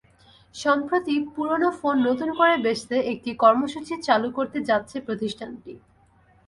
সম্প্রতি পুরোনো ফোন নতুন করে বেচতে একটি কর্মসূচি চালু করতে যাচ্ছে প্রতিষ্ঠানটি।